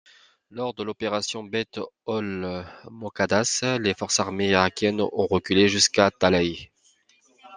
Lors de l'Opération Beit ol-Moqaddas, les forces armées irakiennes ont reculé jusqu'à Talaieh.